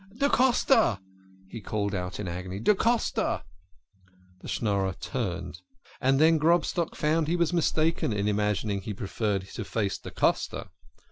" Da Costa !" he called in agony. " Da Costa !" The Schnorrer turned, and then Grobstock found he was mistaken in imagining he preferred to face da Costa.